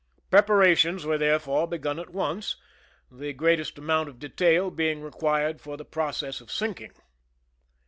Preparations were therefore begun at once, the greatest amount of detail being required for the process of sinking.